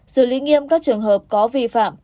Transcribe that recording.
xử lý nghiêm các trường hợp có vi phạm